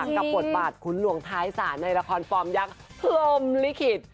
กับบทบาทขุนหลวงท้ายศาลในละครฟอร์มยักษ์พรมลิขิต